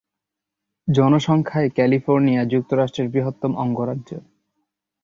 জনসংখ্যায় California যুক্তরাষ্ট্রের বৃহত্তম অঙ্গরাজ্য।